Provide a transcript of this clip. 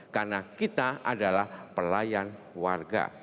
karena kita adalah pelayan warga